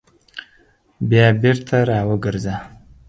بیا بېرته راوګرځه !